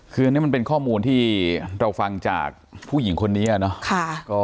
คืออันนี้มันเป็นข้อมูลที่เราฟังจากผู้หญิงคนนี้เนาะ